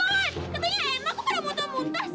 katanya emma aku pada muntah muntah sih